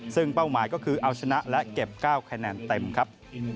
ซึ่งเป้าหมายก็คือเอาชนะและเก็บ๙คะแนนเต็มครับ